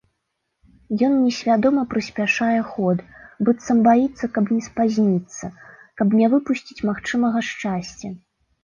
Ён несвядома прыспяшае ход, быццам баіцца, каб не спазніцца, каб не выпусціць магчымага шчасця.